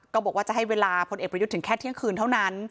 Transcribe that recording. ก็บอกว่าจะให้เวลาพลเอกประยุทธ์ถึงแค่เที่ยงคืนเท่านั้น